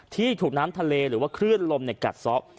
ที่ถูกน้ำทะเลหรือว่าคลื่นลมกัดซะ